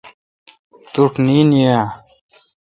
توٹھ نیند یین آں؟.